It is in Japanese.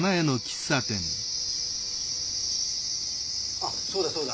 あっそうだそうだ。